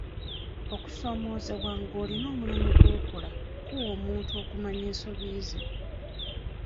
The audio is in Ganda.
Okusoomoozebwa nga olina omulimu gw'okola kuwa omuntu okumanya ensobi ze.